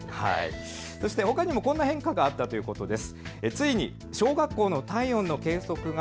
そしてほかにもこんな変化があったということです。